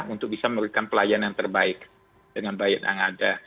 untuk bisa memberikan pelayanan yang terbaik dengan bayar yang ada